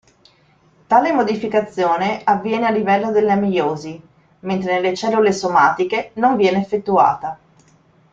Tale modificazione avviene a livello della meiosi, mentre nelle cellule somatiche non viene effettuata.